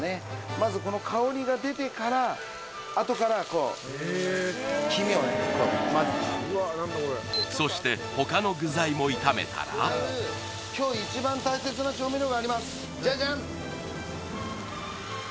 まずこの香りが出てからあとからこう黄身を混ぜてそして他の具材も炒めたら今日一番大切な調味料がありますジャジャン！